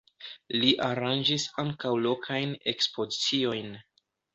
Li aranĝis ankaŭ lokajn ekspoziciojn.